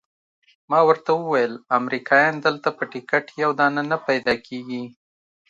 ما ورته وویل امریکایان دلته په ټکټ یو دانه نه پیدا کیږي.